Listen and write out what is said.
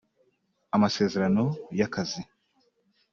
amasezerano y’akazi